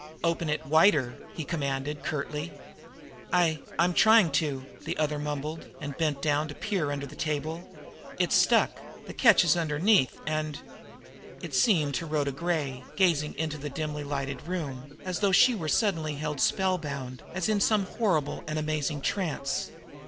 "Open it wider!" he commanded curtly. "I I'm trying to," the other mumbled, and bent down to peer under the table. "It's stuck. The catch is underneath, and " It seemed to Rhoda Gray, gazing into that dimly lighted room, as though she were suddenly held spellbound as in some horrible and amazing trance.